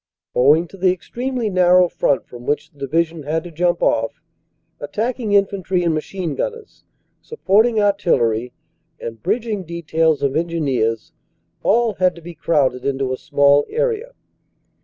"Owing to the extremely narrow front from which the Division had to jump off, attacking infantry and machine gun ners, supporting artillery and bridging details of Engineers, all had to be crowded into a small area.